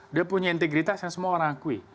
dia punya integritas yang semua orang akui